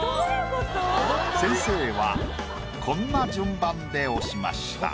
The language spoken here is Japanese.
先生はこんな順番で押しました。